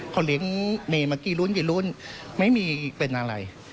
เพราะเลี้ยงแมวมากี้รุ่นไม่มีเป็นอะไร